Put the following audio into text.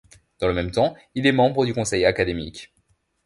Dans le même temps, il est membre du Conseil académique.